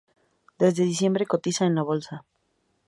Desde diciembre cotiza en la bolsa.